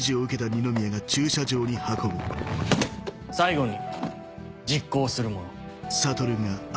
最後に実行する者。